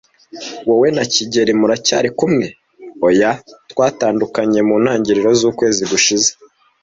"Wowe na kigeli muracyari kumwe?" "Oya, twatandukanye mu ntangiriro z'ukwezi gushize."